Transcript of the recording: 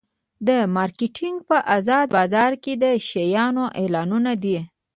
مارکیټینګ په ازاد بازار کې د شیانو اعلانول دي.